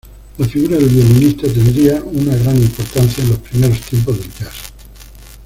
La figura del violinista tendría una gran importancia en los primeros tiempos del "jazz".